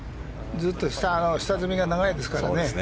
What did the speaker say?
ずっと下積みが長いですからね。